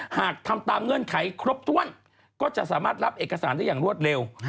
หากทำตามเงื่อนไขครบถ้วนก็จะสามารถรับเอกสารได้อย่างรวดเร็ว